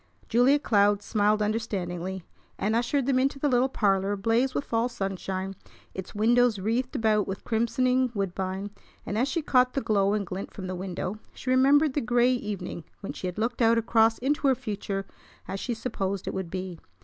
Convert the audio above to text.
Julia Cloud smiled understandingly, and ushered them into the little parlor ablaze with fall sunshine, its windows wreathed about with crimsoning woodbine; and, as she caught the glow and glint from the window, she remembered the gray evening when she had looked out across into her future as she supposed it would be.